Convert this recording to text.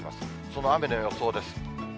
その雨の予想です。